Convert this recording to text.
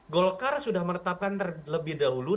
golkar sudah menetapkan terlebih dahulu